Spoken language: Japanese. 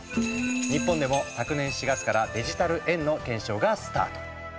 日本でも昨年４月からデジタル円の検証がスタート。